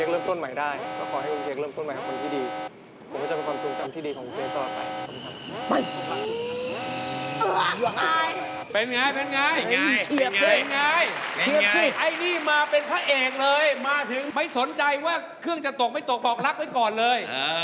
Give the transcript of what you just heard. แล้วเครื่องจะตกไม่ตกบอกลับไว้ก่อนเลย